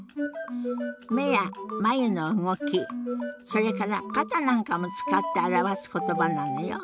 目や眉の動きそれから肩なんかも使って表す言葉なのよ。